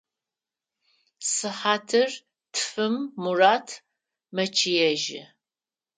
Сыхьатыр тфым Мурат мэчъыежьы.